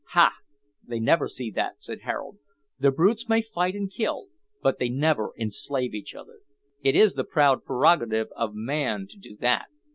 "Ha! they never see that," said Harold; "the brutes may fight and kill, but they never enslave each other. It is the proud prerogative of man to do that."